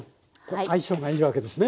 相性がいいわけですね